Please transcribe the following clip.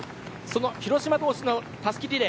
広島同士のたすきリレー。